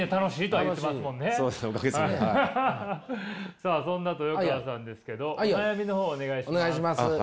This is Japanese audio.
さあそんな豊川さんですけど悩みの方をお願いします。